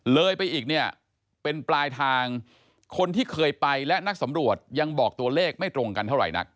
เลยไปอีกเนี่ยเป็นปลายทางคนที่เคยไปและนักสำรวจยังบอกตัวเลขไม่ตรงกันเท่าไหร่นัก